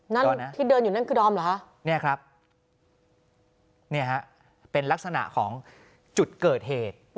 นั่นที่เดินอยู่นั่นคือดอมเหรอคะเนี่ยครับเป็นลักษณะของจุดเกิดเหตุ